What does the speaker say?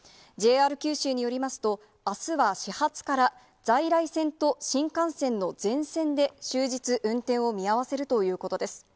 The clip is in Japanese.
ＪＲ九州によりますと、あすは始発から、在来線と新幹線の全線で終日、運転を見合わせるということです。